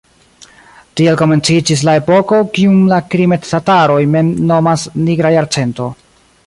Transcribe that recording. Tiel komenciĝis la epoko, kiun la krime-tataroj mem nomas "Nigra jarcento".